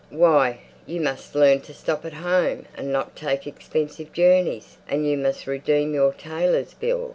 "Why, you must learn to stop at home, and not take expensive journeys; and you must reduce your tailor's bill.